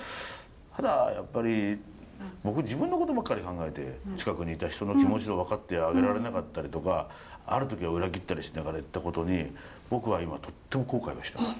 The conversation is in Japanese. ただやっぱり僕自分のことばっかり考えて近くにいた人の気持ちを分かってあげられなかったりとかある時は裏切ったりしながらいったことに僕は今とっても後悔はしてます。